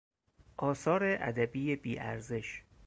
آثار ادبی بی ارزش